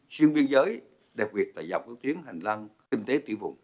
chuyên biên giới đạt việc tại dọc hướng tuyến hành lang kinh tế tỉ vùng